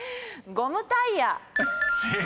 「ゴムタイヤ」］